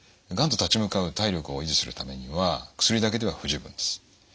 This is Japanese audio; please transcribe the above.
がんと立ち向かう体力を維持するためには薬だけでは不十分です。